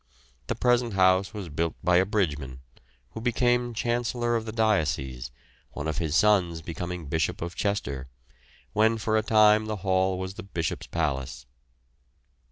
The present house was built by a Bridgeman, who became chancellor of the diocese, one of his sons becoming Bishop of Chester, when for a time the hall was the bishop's palace.